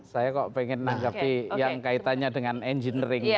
saya kok pengen menanggapi yang kaitannya dengan engineering